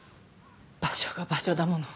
場所が場所だもの。